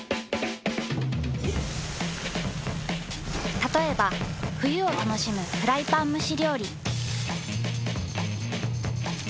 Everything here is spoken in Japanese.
たとえば冬を楽しむフライパン蒸し料理。